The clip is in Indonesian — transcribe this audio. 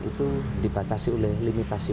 itu dibatasi oleh limitasi